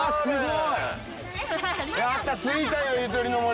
やった着いたよゆとりの森。